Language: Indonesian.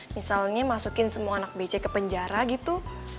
misalnya masukin semua anak becek ke penjara gitu